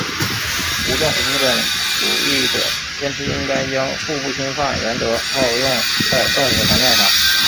无政府资本主义者坚持应该将互不侵犯原则套用在政府层面上。